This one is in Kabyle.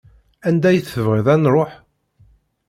Anda i tebɣiḍ ad nruḥ?